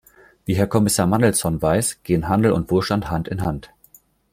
Wie Herr Kommissar Mandelson weiß, gehen Handel und Wohlstand Hand in Hand.